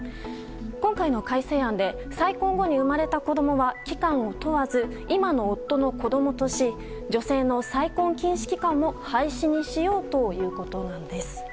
今回の改正案で再婚後に生まれた子供は期間を問わず今の夫の子供とし女性の再婚禁止期間も廃止にしようということなんです。